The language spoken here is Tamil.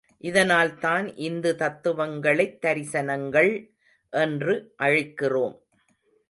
இதனால்தான் இந்து தத்துவங்களைத் தரிசனங்கள் என்று அழைக்கிறோம்.